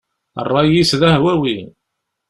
Ṛṛay-is d ahwawi.